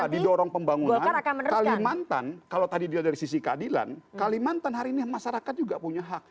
didorong pembangunan kalimantan kalau tadi dia dari sisi keadilan kalimantan hari ini masyarakat juga punya hak